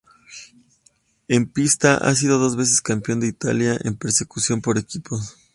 En pista ha sido dos veces campeón de Italia en persecución por equipos.